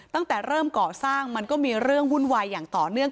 ตั้งแต่เริ่มก่อสร้างมันก็มีเรื่องวุ่นวายอย่างต่อเนื่อง